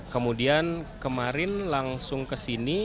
kemudian kemarin langsung kesini